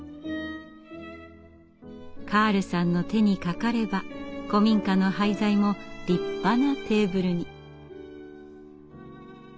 カールさんの手にかかれば古民家の廃材も立派なテーブルに。